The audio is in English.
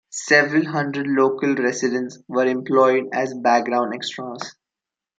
Several hundred local residents were employed as background extras.